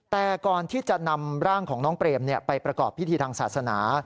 แต่ก่อนที่จะนำร่างของน้องเปรมไปประกอบพิธีทางศาสนา